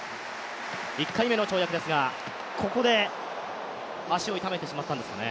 １回目の跳躍ですが、ここで脚を痛めてしまったんですね。